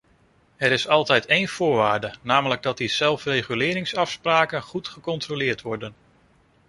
Er is altijd één voorwaarde, namelijk dat die zelfreguleringsafspraken goed gecontroleerd worden.